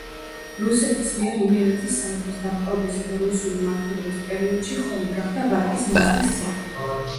რუსეთის მიერ იმერეთის სამეფოს დაპყრობისა და რუსული მმართველობის პერიოდში ხონი გახდა ვაკის მაზრის ცენტრი.